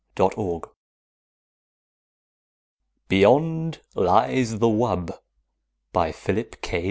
"_] BEYOND LIES THE WUB By PHILIP K.